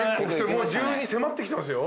もう１２迫ってきてますよ。